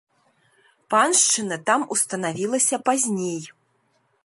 Паншчына там устанавілася пазней.